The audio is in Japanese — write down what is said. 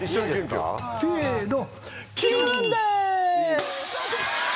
せの。